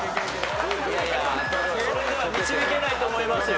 いやいやそれでは導けないと思いますよ。